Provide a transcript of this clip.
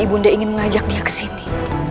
ibu bunda ingin mengajak dia kesini